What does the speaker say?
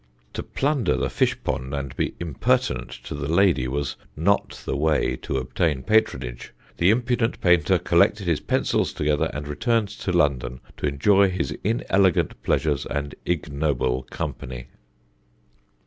To plunder the fish pond and be impertinent to the lady was not the way to obtain patronage. The impudent painter collected his pencils together, and returned to London to enjoy his inelegant pleasures and ignoble company."